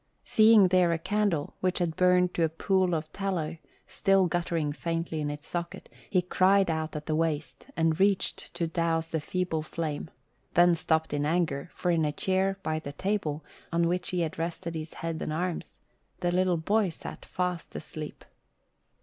Seeing there a candle, which had burned to a pool of tallow, still guttering faintly in its socket, he cried out at the waste and reached to douse the feeble flame, then stopped in anger, for in a chair by the table, on which he had rested his head and arms, the little boy sat fast asleep.